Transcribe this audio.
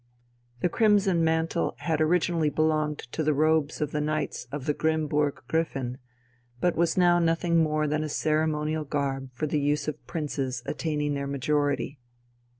The crimson mantle had originally belonged to the robes of the Knights of the Grimmburg Griffin, but was now nothing more than a ceremonial garb for the use of princes attaining their majority.